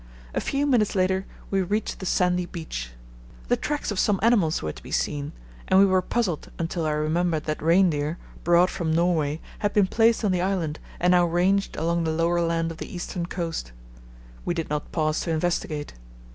A few minutes later we reached the sandy beach. The tracks of some animals were to be seen, and we were puzzled until I remembered that reindeer, brought from Norway, had been placed on the island and now ranged along the lower land of the eastern coast. We did not pause to investigate.